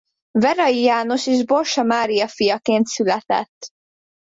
Verai János és Borsa Mária fiaként született.